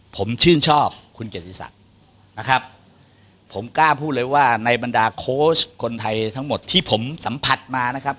ผมชื่นชอบคุณเกียรติศักดิ์นะครับผมกล้าพูดเลยว่าในบรรดาโค้ชคนไทยทั้งหมดที่ผมสัมผัสมานะครับ